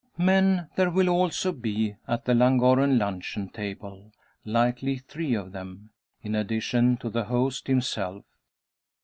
Men there will also be at the Llangorren luncheon table; likely three of them, in addition to the host himself.